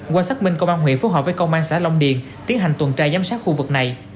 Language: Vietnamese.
qua xác minh công an huyện phù hợp với công an xã long điền tiến hành tuần trai giám sát khu vực này